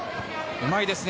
うまいですね。